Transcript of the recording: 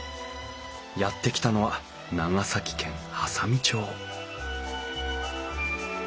やって来たのは長崎県波佐見町